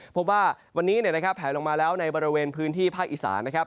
พบว่าวันนี้แผลลงมาแล้วในบริเวณพื้นที่ภาคอีสานนะครับ